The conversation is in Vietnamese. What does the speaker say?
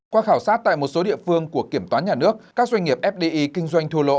qua khảo sát tại một số địa phương của kiểm toán nhà nước các doanh nghiệp fdi kinh doanh thua lỗ